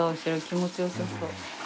気持ちよさそう。